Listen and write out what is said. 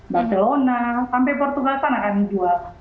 barcelona sampai portugal sana kami jual